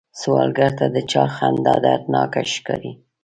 سوالګر ته د چا خندا دردناکه ښکاري